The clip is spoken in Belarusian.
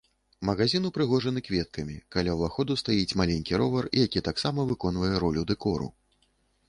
Магазін упрыгожаны кветкамі, каля ўваходу стаіць маленькі ровар, які таксама выконвае ролю дэкору.